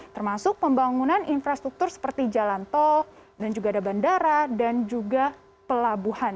termasuk pembangunan infrastruktur seperti jalan tol dan juga ada bandara dan juga pelabuhan